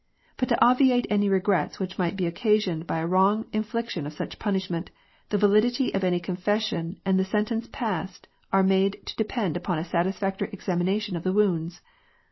But to obviate any regrets which might be occasioned by a wrong infliction of such punishment, the validity of any confession and the sentence passed are made to depend on a satisfactory examination of the wounds.